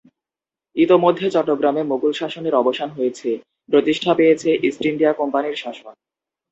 ইতোমধ্যে চট্টগ্রামে মোগল শাসনের অবসান হয়েছে, প্রতিষ্ঠা পেয়েছে ইস্ট ইন্ডিয়া কোম্পানির শাসন।